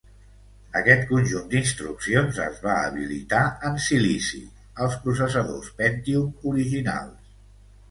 Aquest conjunt d'instruccions es va habilitar en silici als processadors Pentium originals.